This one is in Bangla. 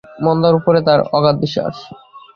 মন্দার উপরে তাঁর অগাধ বিশ্বাস।